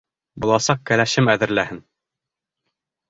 Буласаҡ кәләшем әҙерләһен!